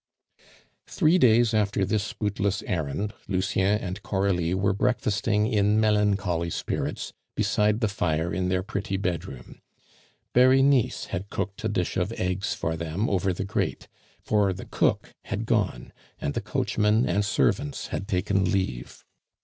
Three days after this bootless errand, Lucien and Coralie were breakfasting in melancholy spirits beside the fire in their pretty bedroom. Berenice had cooked a dish of eggs for them over the grate; for the cook had gone, and the coachman and servants had taken leave.